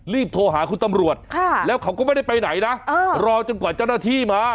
โทรหาคุณตำรวจแล้วเขาก็ไม่ได้ไปไหนนะรอจนกว่าเจ้าหน้าที่มา